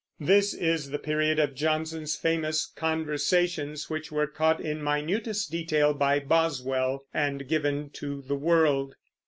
This is the period of Johnson's famous conversations, which were caught in minutest detail by Boswell and given to the world.